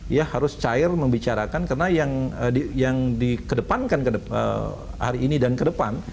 dia harus cair membicarakan karena yang dikedepankan hari ini dan kedepan